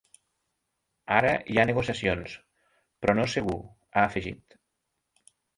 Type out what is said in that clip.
Ara hi ha negociacions, però no és segur, ha afegit.